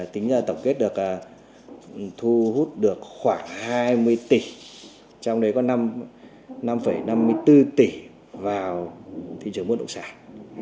tổng kết thu hút được khoảng hai mươi tỷ trong đấy có năm năm mươi bốn tỷ vào thị trường bất động sản